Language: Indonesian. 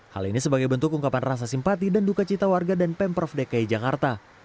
hal ini sebagai bentuk ungkapan rasa simpati dan duka cita warga dan pemprov dki jakarta